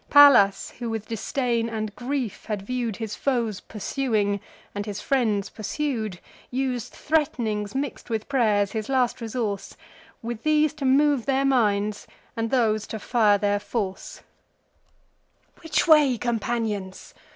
Pallas, who with disdain and grief had view'd His foes pursuing, and his friends pursued, Us'd threat'nings mix'd with pray'rs, his last resource, With these to move their minds, with those to fire their force "Which way, companions?